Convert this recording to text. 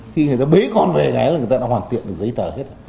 khi người ta bế con về gái là người ta đã hoàn tiện được giấy tờ hết